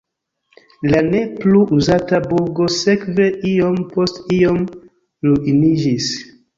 La ne plu uzata burgo sekve iom post iom ruiniĝis.